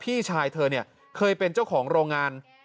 พี่ชายเธอเนี่ยเคยเป็นเจ้าของโรงงาน